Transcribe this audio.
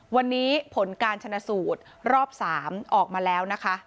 วันนี้ผลการชนะสูตรรอบ๓ออกมาแล้วนะคะ